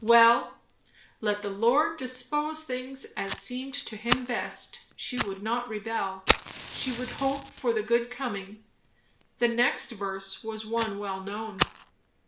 Well! let the Lord dispose things as seemed to him best; she would not rebel. She would hope for the good coming. The next verse was one well known.